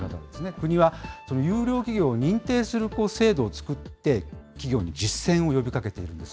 国は優良企業を認定する制度を作って、企業に実践を呼びかけているんです。